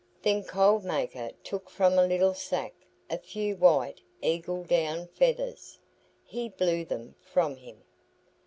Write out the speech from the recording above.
Then Cold Maker took from a little sack a few white eagle down feathers. He blew them from him.